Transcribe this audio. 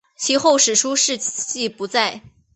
其后史书事迹不载。